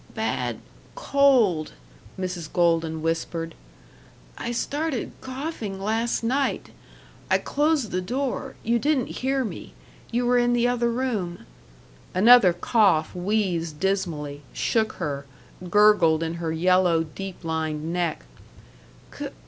"Bad cold," Mrs. Golden whispered. "I started coughing last night I closed the door you didn't hear me; you were in the other room " Another cough wheezed dismally, shook her, gurgled in her yellow deep lined neck.